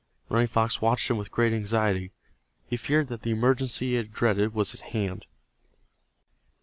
Running Fox watched them with great anxiety. He feared that the emergency he had dreaded was at hand.